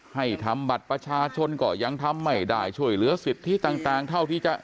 ให้ทำบัตรประชาชนก็ยังทำไม่ได้ช่วยเหลือสิทธิต่างเท่าที่จะ